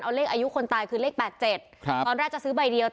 เอาเลขอายุคนตายคือเลขแปดเจ็ดครับตอนแรกจะซื้อใบเดียว